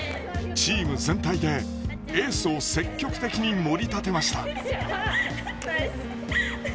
チーム全体でエースを積極的にもり立てました。